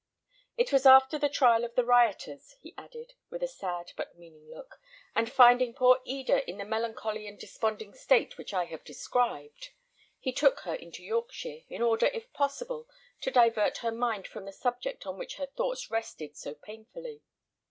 "It was after the trial of the rioters," he added, with a sad but meaning look; "and finding poor Eda in the melancholy and desponding state which I have described, he took her into Yorkshire, in order, if possible, to divert her mind from the subject on which her thoughts rested so painfully.